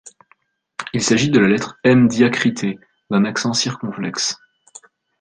Il s’agit de la lettre M diacritée d'un accent circonflexe.